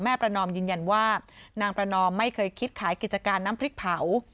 ประนอมยืนยันว่านางประนอมไม่เคยคิดขายกิจการน้ำพริกเผา